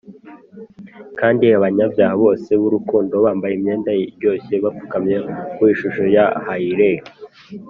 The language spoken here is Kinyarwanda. kandi abanyabyaha bose b'urukundo bambaye imyenda iryoshye bapfukamye ku ishusho ya hyleg,